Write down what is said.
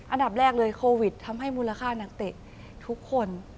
อันดับแรกเลยโควิดทำให้มูลค่านักเตะทุกคน